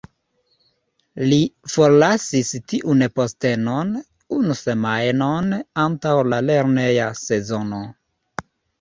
Li forlasis tiun postenon, unu semajnon antaŭ la lerneja sezono.